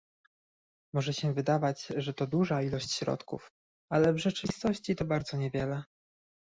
Może się wydawać, że to duża ilość środków, ale w rzeczywistości to bardzo niewiele